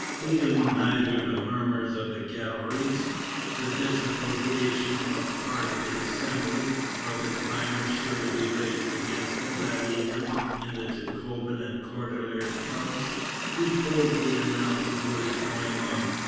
Heeding neither the murmurs of the galleries, the disapprobation of part of the Assembly, nor the clamor sure to be raised against him that evening in the Jacobin and Cordelier clubs, he boldly announces what is going on.